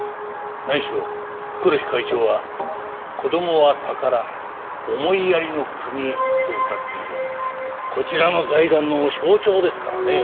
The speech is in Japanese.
何しろ黒木会長は「子供は宝思いやりの国へ」とうたっているこちらの財団の象徴ですからね。